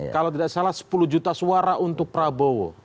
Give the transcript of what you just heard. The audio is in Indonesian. kalau tidak salah sepuluh juta suara untuk prabowo